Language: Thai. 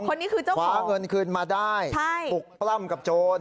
คนนี้คือเจ้าของคว้าเงินคืนมาได้ปลุกปล้ำกับโจร